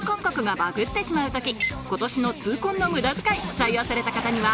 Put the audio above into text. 採用された方には